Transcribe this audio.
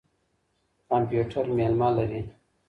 کمپيوټر مېلمه لري.